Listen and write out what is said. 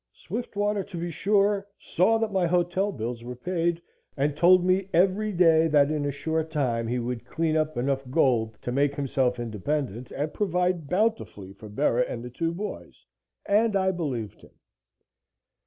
Swiftwater, to be sure, saw that my hotel bills were paid and told me every day that in a short time he would clean up enough gold to make himself independent, and provide bountifully for Bera and the two boys and I believed him.